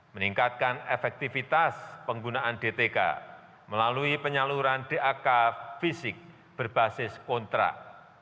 meningkatkan efektivitas penggunaan dtk melalui penyaluran dak fisik berbasis kontrak